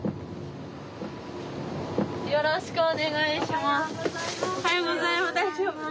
よろしくお願いします。